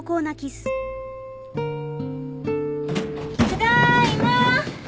・ただいま！